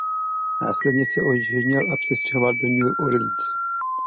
Následně se oženil a přestěhoval do New Orleans.